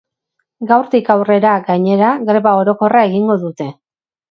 Gaurtik aurrera, gainera, greba orokorra egingo dute.